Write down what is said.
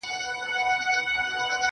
د غلا په جرم به پاچاصاب محترم نیسې.